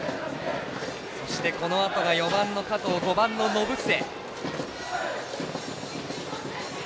そして、このあとが４番の加藤５番の延末。